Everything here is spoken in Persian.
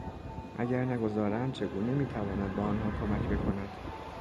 اگر نگذارند چگونه میتواند به آنها کمک بکند؟